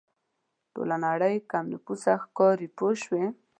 ټوله نړۍ کم نفوسه ښکاري پوه شوې!.